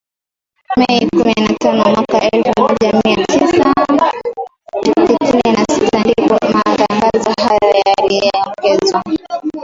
Mei kumi na tano mwaka elfu moja mia tisa sitini na sita ndipo matangazo hayo yaliongezewa